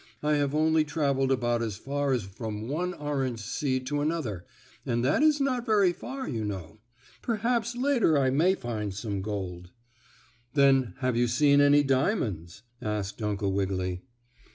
I have only traveled about as far as from one orange seed to another, and that is not very far, you know. Perhaps later I may find some gold." "Then have you seen any diamonds?" asked Uncle Wiggily.